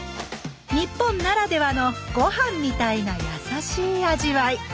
日本ならではのご飯みたいなやさしい味わい。